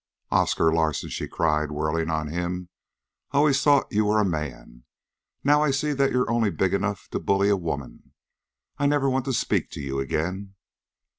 "Oscar Larsen," she cried, whirling on him, "I always thought you were a man. Now I see that you're only big enough to bully a woman. I I never want to speak to you again!"